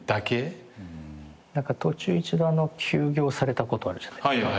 途中一度休業されたことあるじゃないですか。